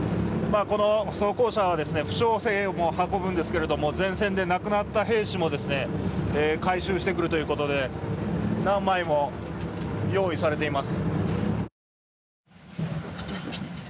この装甲車は負傷兵を運ぶんですけれども、前線で亡くなった兵士も回収してくるということで、何枚も用意されています。